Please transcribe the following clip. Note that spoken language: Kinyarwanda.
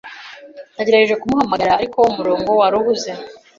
Nagerageje kumuhamagara, ariko umurongo wari uhuze.